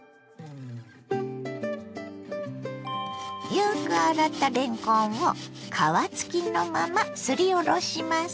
よく洗ったれんこんを皮付きのまますりおろします。